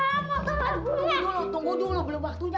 eh bak aku terug